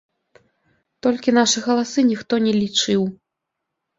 Толькі нашы галасы ніхто не лічыў.